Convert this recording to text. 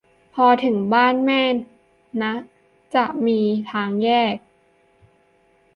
พอถึงบ้านแม่นะจะมีทางแยก